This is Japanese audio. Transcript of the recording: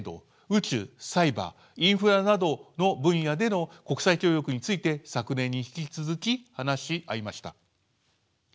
宇宙サイバーインフラなどの分野での国際協力について昨年に引き続き話し合いました。